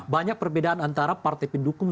banyak perbedaan antara partai pendukung